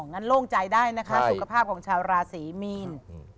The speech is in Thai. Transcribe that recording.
โล่งใจได้นะคะสุขภาพของชาวราศีมีน